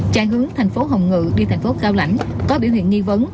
chạy hướng thành phố hồng ngự đi thành phố cao lãnh có biểu hiện nghi vấn